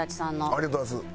ありがとうございます。